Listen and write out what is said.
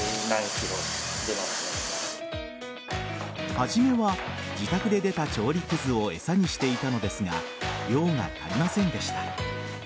初めは自宅で出た調理くずを餌にしていたのですが量が足りませんでした。